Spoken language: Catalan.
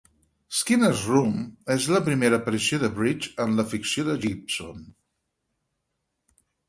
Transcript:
"Skinner's Room" és la primera aparició de Bridge en la ficció de Gibson.